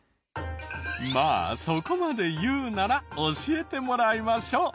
まあそこまで言うなら教えてもらいましょう。